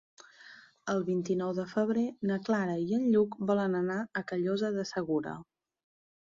El vint-i-nou de febrer na Clara i en Lluc volen anar a Callosa de Segura.